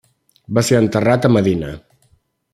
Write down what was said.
Va ser enterrat a Medina.